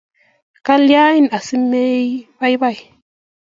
kilyan asimei baibai?